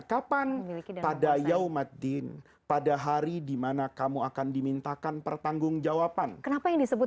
kapan pada yaumaddin pada hari dimana kamu akan dimintakan pertanggungjawaban kenapa yang disebut